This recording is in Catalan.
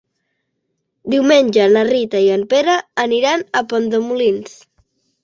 Diumenge na Rita i en Pere aniran a Pont de Molins.